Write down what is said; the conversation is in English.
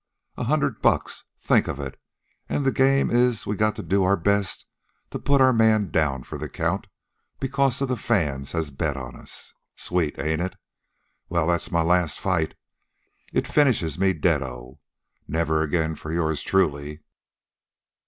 A hundred bucks. Think of it! An' the game is we got to do our best to put our man down for the count because of the fans has bet on us. Sweet, ain't it? Well, that's my last fight. It finishes me deado. Never again for yours truly.